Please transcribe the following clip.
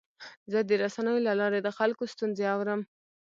زه د رسنیو له لارې د خلکو ستونزې اورم.